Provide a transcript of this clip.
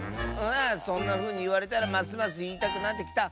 そんなふうにいわれたらますますいいたくなってきた。